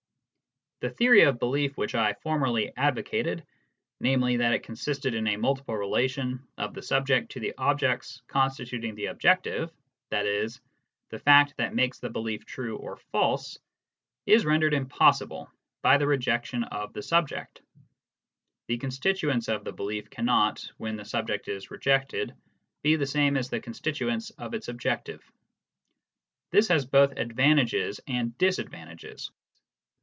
The theory of belief which I formerly advocated, namely, that it consisted in a multiple relation of the subject to the objects constituting the "objective," i.e., the fact that makes the belief true or false, is rendered impossible by the rejection of the subject. The constituents of the belief cannot, when the subject is rejected, be the same as the constituents of its "objective." This has both advantages and disadvantages.